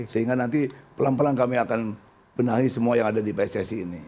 sehingga nanti pelan pelan kami akan benahi semua yang ada di pssi ini